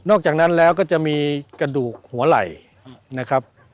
อกจากนั้นแล้วก็จะมีกระดูกหัวไหล่นะครับ